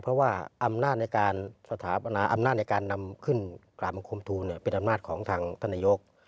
เพราะว่าอำนาจในการสถาปนาอำนาจในการนำขึ้นกราบบังคมทูลเป็นอำนาจของทางท่านนายก